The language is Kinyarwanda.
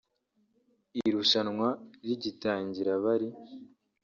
Irushanwa rigitangira bari